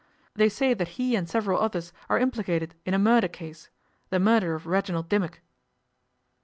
'They say that he and several others are implicated in a murder case the murder of Reginald Dimmock.